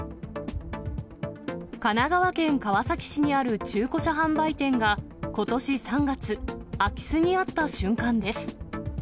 神奈川県川崎市にある中古車販売店が、ことし３月、空き巣に遭った瞬間です。